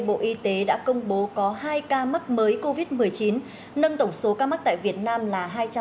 bộ y tế đã công bố có hai ca mắc mới covid một mươi chín nâng tổng số ca mắc tại việt nam là